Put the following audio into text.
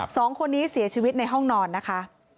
สองคนนี้เสียชีวิตในห้องนอนนะคะ